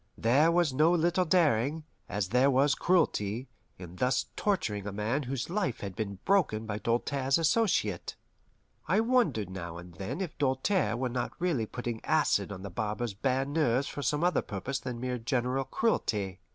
There was no little daring, as there was cruelty, in thus torturing a man whose life had been broken by Doltaire's associate. I wondered now and then if Doltaire were not really putting acid on the barber's bare nerves for some other purpose than mere general cruelty.